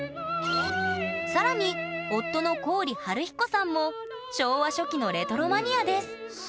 更に夫の郡修彦さんも昭和初期のレトロマニアです。